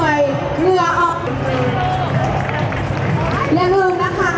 ว้าวว้าวว้าวว้าวว้าวว้าวว้าวว้าว